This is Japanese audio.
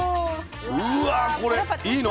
うわこれいいの？